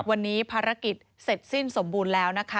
วันนี้ภารกิจเสร็จสิ้นสมบูรณ์แล้วนะคะ